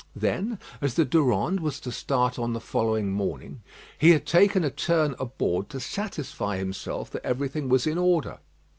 Then, as the Durande was to start on the following morning, he had taken a turn aboard to satisfy himself that everything was in order.